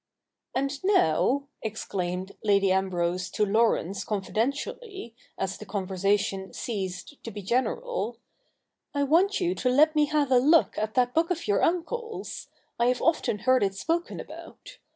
' And now,' exclaimed Lady Ambrose to Laurence confidentially, as the conversation ceased to be general, ' I want you to let me have a look at that book of your uncle's. I have often heard it spoken about.